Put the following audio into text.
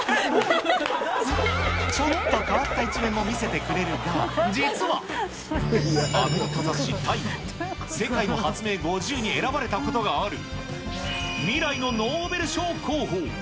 ちょっと変わった一面も見せてくれるが、実は、アメリカ雑誌、ＴＩＭＥの世界の発明５０に選ばれたことがある未来のノーベル賞候補。